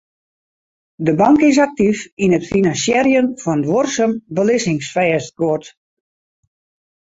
De bank is aktyf yn it finansierjen fan duorsum belizzingsfêstguod.